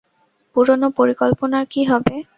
পুরানো পরিকল্পনার কী হবে?